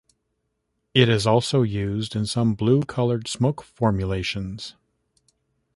It is also used in some blue colored smoke formulations.